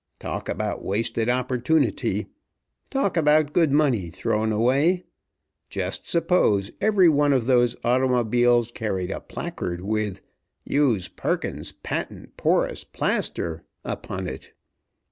Talk about wasted opportunity! Talk about good money thrown away! Just suppose every one of those automobiles carried a placard with 'Use Perkins's Patent Porous Plaster,' upon it!